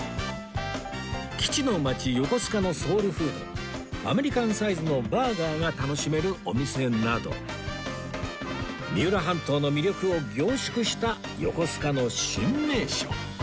基地の街横須賀のソウルフードアメリカンサイズのバーガーが楽しめるお店など三浦半島の魅力を凝縮した横須賀の新名所